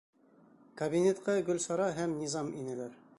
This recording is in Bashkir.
Кабинетҡа Гөлсара һәм Низам инәләр.